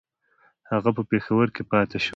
هغه په پېښور کې پاته شي.